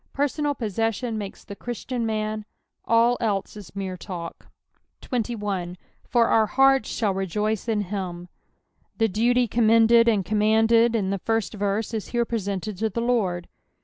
Personal possession makes the Christian man ; all else is mere tal^ 21. " JW our heartt thall rejotee in him," The duty commended snd com manded in the first verse is here presented to the Lord.